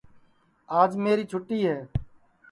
آج میری چھوٹی ہے